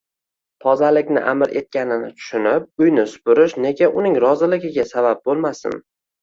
Tozalikni amr etganini tushunib, uyni supurish nega uning rizoligiga sabab bo'lmasin?!